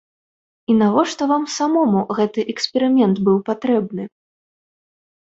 І навошта вам самому гэты эксперымент быў патрэбны?